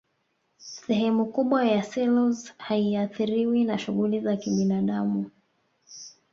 sehemu kubwa ya selous haiathiriwi na shughuli za kibinadamu